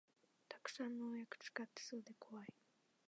たくさん農薬使ってそうでこわい